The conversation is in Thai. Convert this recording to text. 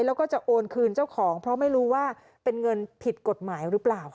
แล้วก็จะโอนคืนเจ้าของเพราะไม่รู้ว่าเป็นเงินผิดกฎหมายหรือเปล่าค่ะ